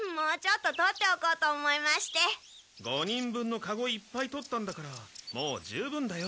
５人分のカゴいっぱいとったんだからもう十分だよ。